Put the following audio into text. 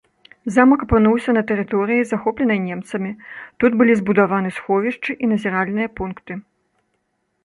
Замак апынуўся на тэрыторыі, захопленай немцамі, тут былі збудаваны сховішчы і назіральныя пункты.